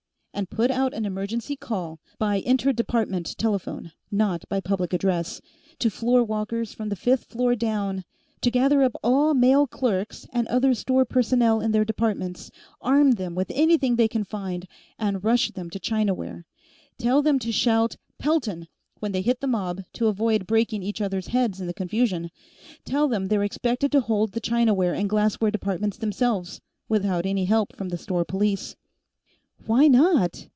And put out an emergency call, by inter department telephone, not by public address, to floorwalkers from the fifth floor down, to gather up all male clerks and other store personnel in their departments, arm them with anything they can find, and rush them to Chinaware. Tell them to shout 'Pelton!' when they hit the mob, to avoid breaking each others' heads in the confusion, and tell them they're expected to hold the Chinaware and Glassware departments themselves, without any help from the store police." "Why not?"